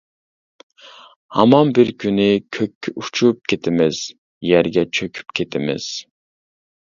ھامان بىر كۈنى كۆككە ئۇچۇپ كېتىمىز، يەرگە چۆكۈپ كېتىمىز.